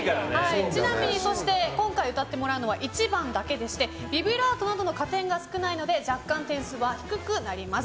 ちなみに、今回歌ってもらうのは１番だけでしてビブラートなどの加点が少ないので若干、点数は低くなります。